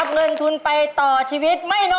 เงินเงินเงินเงิน